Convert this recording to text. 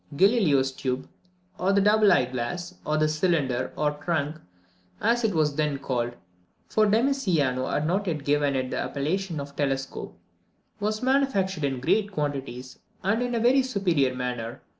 Galileo's tube, or the double eye glass, or the cylinder, or the trunk, as it was then called, for Demisiano had not yet given it the appellation of telescope, was manufactured in great quantities, and in a very superior manner.